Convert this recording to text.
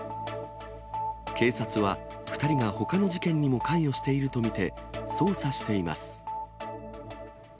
警察は、２人がほかの事件にも関与していると見て、捜査しています。